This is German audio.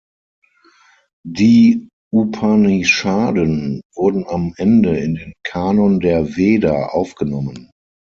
Die Upanishaden wurden am Ende in den Kanon der Veda aufgenommen.